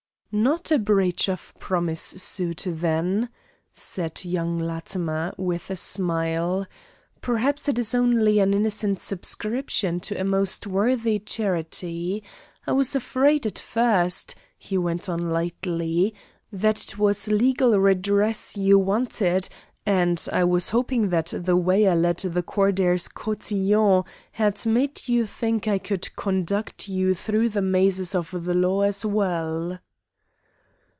"Not a breach of promise suit, then?" said young Latimer, with a smile. "Perhaps it is only an innocent subscription to a most worthy charity. I was afraid at first," he went on lightly, "that it was legal redress you wanted, and I was hoping that the way I led the Courdert's cotillion had made you think I could conduct you through the mazes of the law as well."